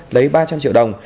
lấy ba trăm linh triệu đồng